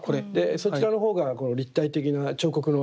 そちらの方が立体的な彫刻の跡が分かる。